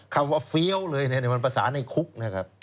คำว่าเฟี้ยวเลยนี่มันประสาทในคุกนะครับ